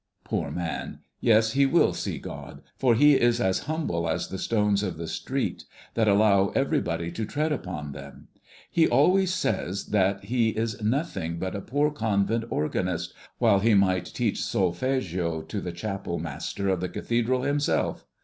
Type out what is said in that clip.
Poor man! yes, he will see God, for he is as humble as the stones of the street, that allow everybody to tread upon them. He always says that he is nothing but a poor convent organist, while he might teach solfeggio to the chapel master of the cathedral himself.